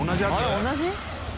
同じ？